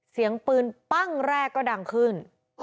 เสียงปืนปั้งแรกก็ดังขึ้น